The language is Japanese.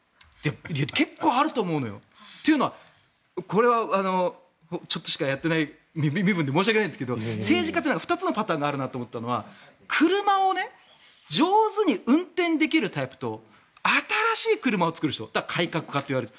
結構あると思うのよ。というはこれはちょっとしかやってない身分で申し訳ないんですけど政治家というのは２つのパターンがあるなと思ったのが車を上手に運転できるタイプと新しい車を作る人改革派といわれる。